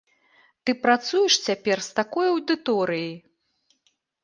Ты працуеш цяпер з такой аўдыторыяй!